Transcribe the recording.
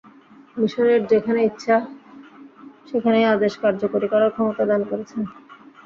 মিসরের যেখানে ইচ্ছা সেখানেই আদেশ কার্যকরী করার ক্ষমতা দান করেছেন।